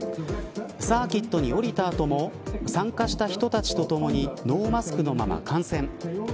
サーキットに降りた後も参加した人たちとともにノーマスクのまま観戦。